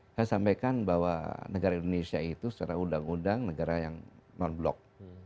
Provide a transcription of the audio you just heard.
saya sampaikan bahwa negara indonesia itu secara undang undang negara yang non blok